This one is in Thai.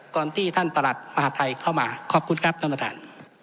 ที่ท่านประหลัดมหาทัยเข้ามาขอบคุณครับท่านประธาน